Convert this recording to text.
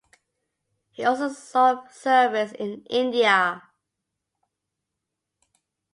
He also saw service in India.